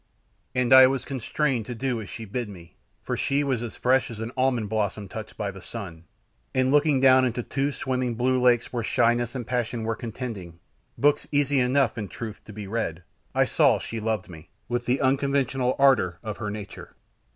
And I was constrained to do as she bid me, for she was as fresh as an almond blossom touched by the sun, and looking down into two swimming blue lakes where shyness and passion were contending books easy enough, in truth, to be read, I saw that she loved me, with the unconventional ardour of her nature.